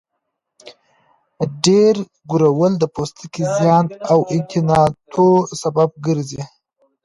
ډېر ګرول د پوستکي زیان او انتاناتو سبب ګرځي.